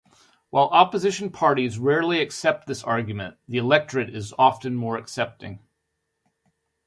While opposition parties rarely accept this argument, the electorate is often more accepting.